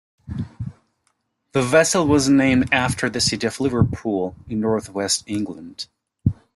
The vessel was named after the city of Liverpool in North West England.